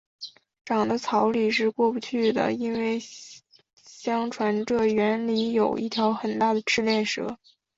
长的草里是不去的，因为相传这园里有一条很大的赤练蛇